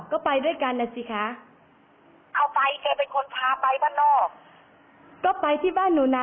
ก็แสดงว่าโดดาไม่เป็นพยานให้เขา